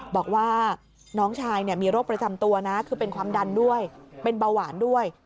บอกว่าน้องชายมีโรคประจำตัวนะคือเป็นความดันด้วยเป็นเบาหวานด้วย